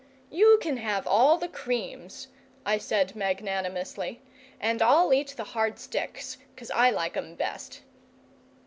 "You can have all the creams," I said magnanimously, "and I'll eat the hard sticks, 'cos I like 'em best."